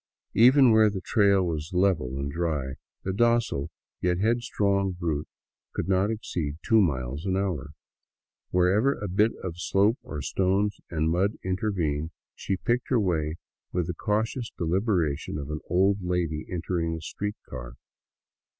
Even where the trail was level and dry, the docile, yet head strong brute could not exceed two miles an hour; wherever a bit of slope, or stones and mud intervened, she picked her way with the cautious deliberation of an old lady entering a street car.